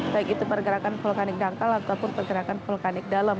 baik itu pergerakan vulkanik dangkal ataupun pergerakan vulkanik dalam